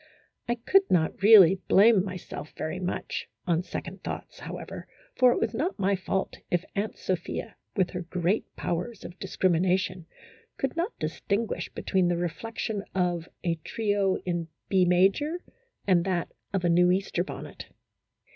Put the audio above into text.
I could not really blame myself very much, on second thoughts, however, for it was not my fault if Aunt Sophia, with her great powers of discrimina tion, could not distinguish between the reflection of a trio in B major and that of a new Easter bonnet.